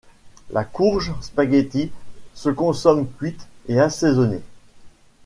La courge spaghetti se consomme cuite et assaisonnée.